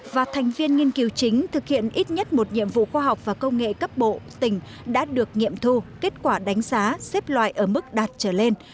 và thành viên nghiên cứu chính thực hiện ít nhất một nhiệm vụ khoa học và công nghệ cấp bộ tỉnh đã được nghiệm thu kết quả đánh giá xếp loại ở mức đạt trở lên